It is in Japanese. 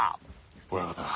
親方